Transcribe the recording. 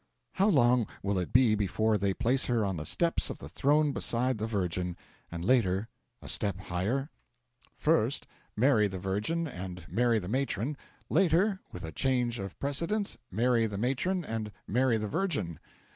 How long will it be before they place her on the steps of the Throne beside the Virgin and later a step higher? First, Mary the Virgin and Mary the Matron; later, with a change of Precedence, Mary the Matron and Mary the Virgin.